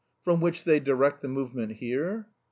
"From which they direct the movement here?"